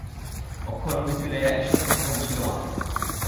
অক্ষয় মুখ ফিরাইয়া ঈষৎ একটু হাসিল মাত্র।